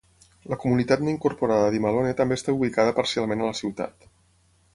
La comunitat no incorporada d'Imalone també està ubicada parcialment a la ciutat.